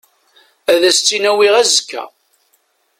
Ad as-tt-in-awiɣ azekka.